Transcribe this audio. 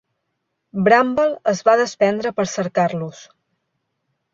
"Bramble" es va desprendre per cercar-los.